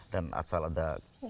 dan asal ada keberlanjutan